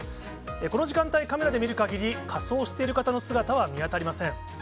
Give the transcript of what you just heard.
この時間帯、カメラで見るかぎり、仮装している方の姿は見当たりません。